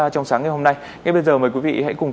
trong ngày hai mươi ba tháng tám